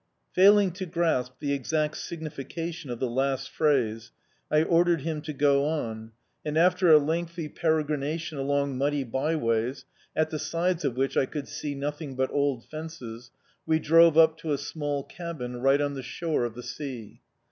Failing to grasp the exact signification of the last phrase, I ordered him to go on, and, after a lengthy peregrination through muddy byways, at the sides of which I could see nothing but old fences, we drove up to a small cabin, right on the shore of the sea.